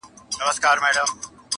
اوس نه منتر کوي اثر نه په مُلا سمېږي!!